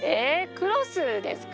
クロスですか？